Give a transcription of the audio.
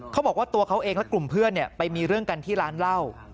เขาบอกว่าตัวเขาเองและกลุ่มเพื่อนไปมีเรื่องกันที่ร้านเหล้า